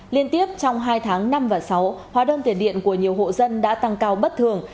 liên tiếp trong hai tháng năm và sáu hóa đơn tiền điện của nhiều hộ dân đã tăng cao bất thường